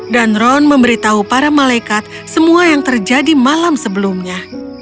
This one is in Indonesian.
dan ron memberitahu para malaikat semua yang terjadi malam sebelumnya